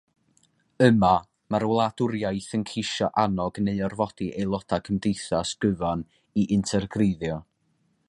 Yma, mae'r wladwriaeth yn ceisio annog neu orfodi aelodau cymdeithas gyfan i integreiddio.